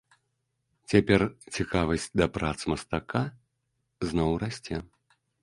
Цяпер цікавасць да прац мастака зноў расце.